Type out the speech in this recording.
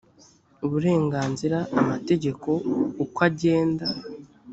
uburenganzira amategeko uko agenda